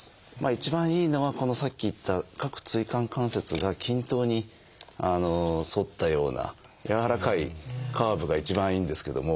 一番いいのはさっき言った各椎間関節が均等に反ったような柔らかいカーブが一番いいんですけども。